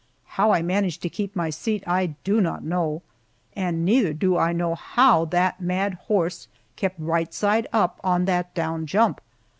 How I managed to keep my seat I do not know, and neither do I know how that mad horse kept right side up on that down jump.